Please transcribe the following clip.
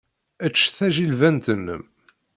Ečč tajilbant-nnem.